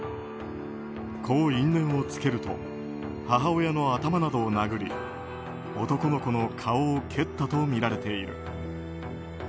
こう因縁をつけると母親の頭などを殴り男の子の顔を蹴ったとみられている。